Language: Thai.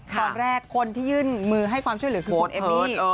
คนที่ยื่นมือให้ความช่วยเหลือคือคุณเอมมี่